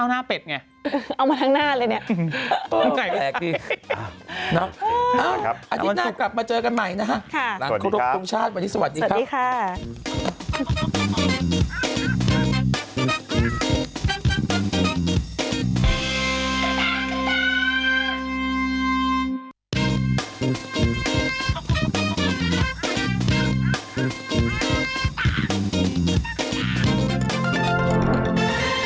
สวัสดีครับสวัสดีครับหลังควบคุมชาติวันนี้สวัสดีครับสวัสดีครับ